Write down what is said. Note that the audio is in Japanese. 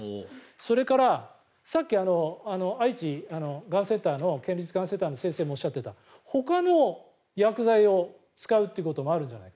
それから、さっき愛知県がんセンターの先生もおっしゃっていたほかの薬剤を使うということもあるんじゃないか。